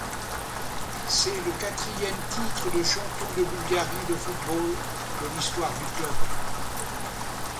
C'est le quatrième titre de champion de Bulgarie de football de l'histoire du club.